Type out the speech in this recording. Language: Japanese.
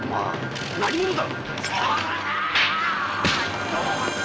何者だ‼